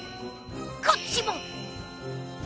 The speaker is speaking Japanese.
こっちも！